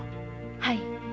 はい。